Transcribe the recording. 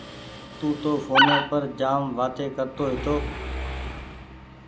تونٚ تو ڦوني پر جآم وآتي ڪرتو هيتو۔